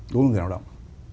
đối với người lao động